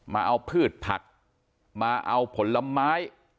มาเอาพืชผักมาเอาผลไม้